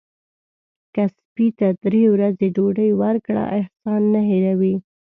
که سپي ته درې ورځې ډوډۍ ورکړه احسان نه هیروي.